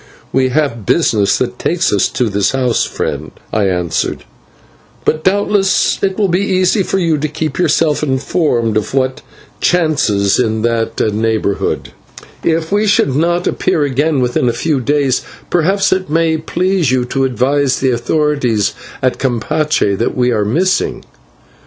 "We have business that takes us to his house, friend," I answered; "but doubtless it will be easy for you to keep yourself informed of what chances in that neighbourhood, and if we should not appear again within a few days, perhaps it may please you to advise the authorities at Campeche that we are missing."